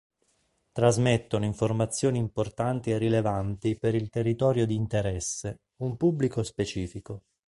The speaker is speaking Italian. Trasmettono informazioni importanti e rilevanti per il territorio di interesse, un pubblico specifico.